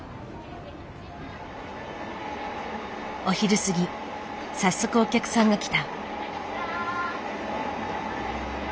お昼過ぎ早速お客さんが来た。